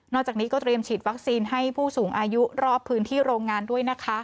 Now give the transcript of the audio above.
จากนี้ก็เตรียมฉีดวัคซีนให้ผู้สูงอายุรอบพื้นที่โรงงานด้วยนะคะ